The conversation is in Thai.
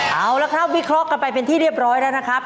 เอาละครับวิเคราะห์กันไปเป็นที่เรียบร้อยแล้วนะครับ